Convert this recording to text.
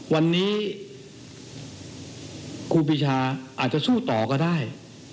วันนี้ครูปีชาอาจจะสู้ต่อก็ได้